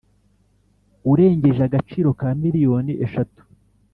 urengeje agaciro ka miliyoni eshatu